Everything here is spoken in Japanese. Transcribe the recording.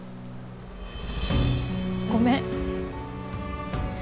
ごめん。